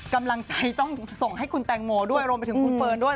กำลังใจต้องส่งให้คุณแตงโมด้วยรวมไปถึงคุณเฟิร์นด้วย